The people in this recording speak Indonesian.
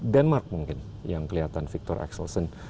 denmark mungkin yang kelihatan victor exelsen